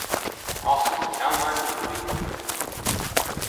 Also the town market is being rebuilt.